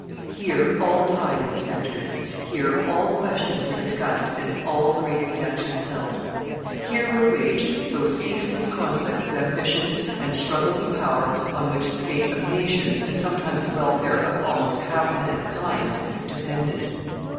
Here all tidings centered; here all questions were discussed and all great elections held. Here were waged those ceaseless conflicts of ambition and struggles of power on which the fate of nations, and sometimes the welfare of almost half mankind depended.